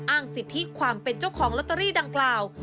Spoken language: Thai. อ้างสิทธิความเป็นเจ้าของลอตเตอรี่ดังกล่าว